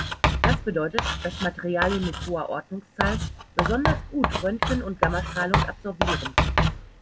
Das bedeutet, dass Materialien mit hoher Ordnungszahl besonders gut Röntgen- und Gammastrahlung absorbieren.